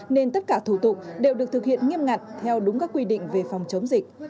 nên tất cả thủ tục đều được thực hiện nghiêm ngặt theo đúng các quy định về phòng chống dịch